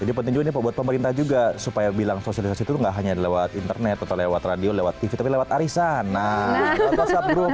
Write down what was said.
jadi penting juga ini buat pemerintah juga supaya bilang sosialisasi itu tidak hanya lewat internet atau lewat radio lewat tv tapi lewat arisana